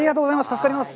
助かります。